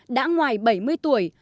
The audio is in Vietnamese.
đã ngoài bảy mươi tuổi